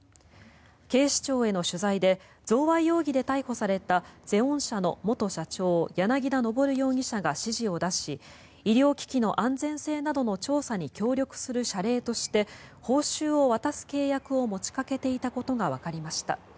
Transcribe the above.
警視庁への取材で贈賄容疑で逮捕されたゼオン社の元社長柳田昇容疑者が指示を出し医療機器の安全性などの調査に協力する謝礼として報酬を渡す契約を持ちかけていたことがわかりました。